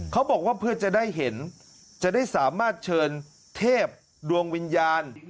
เขาบอกว่าเพื่อจะได้เห็นจะได้สามารถเชิญเทพดวงวิญญาณ